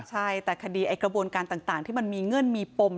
ใช่แต่คดีไอ้กระบวนการต่างที่มันมีเงื่อนมีปม